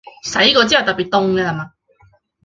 最快的汽油动力汽车是由驾驶的标致汽车。